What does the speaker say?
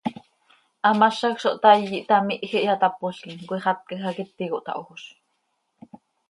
Hamazaj zo htaai, ihtamihj, ihyatápolquim, cöixatcaj hac iti cohtahojoz.